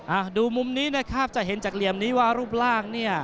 อ่าดูมุมนี้นะครับจะเห็นจากเหลี่ยมนี้ว่ารูปร่างเนี่ย